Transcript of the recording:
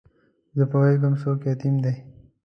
زه پوهېږم څوک یتیم دی.